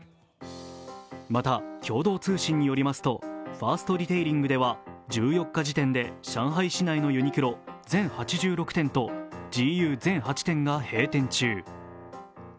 また共同通信によりますと、ファーストリテイリングでは１４日時点で上海市内のユニクロ、全８６店とＧＵ全８店が閉店中。